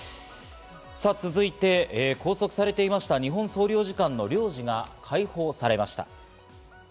続いて、拘束されていました日本総領事館の領事が解放されました。